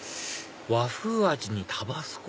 和風味にタバスコ？